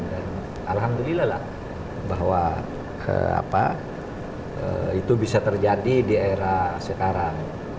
dan alhamdulillah lah bahwa itu bisa terjadi di era sekarang